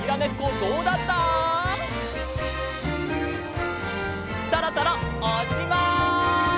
そろそろおっしまい！